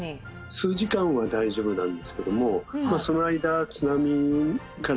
数時間は大丈夫なんですけどもその間津波から耐えて頂くと。